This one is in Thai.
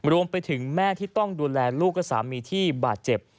รวมไปถึงแม่ที่ต้องดูแลลูกและสามีที่บาดเจ็บ